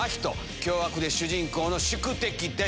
凶悪で主人公の宿敵です。